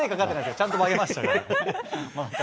ちゃんと曲げました。